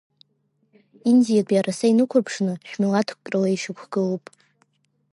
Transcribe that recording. Индиатәи араса инықәырԥшны, шә-милаҭк рыла ишьақәгылоуп.